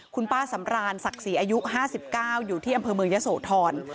คุณป้าสำรานศักดิ์ศรีอายุ๕๙อยู่ที่อำเภอเมืองยะโสธร